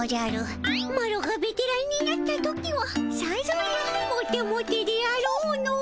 マロがベテランになった時はさぞやモテモテであろうの。